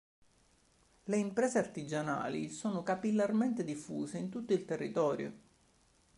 Le imprese artigianali sono capillarmente diffuse in tutto il territorio.